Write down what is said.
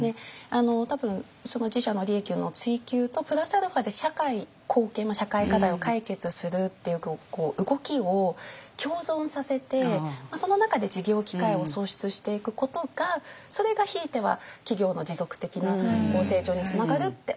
多分その自社の利益の追求とプラスアルファで社会貢献社会課題を解決するっていう動きを共存させてその中で事業機会を創出していくことがそれがひいては企業の持続的な成長につながるって思ってるんで。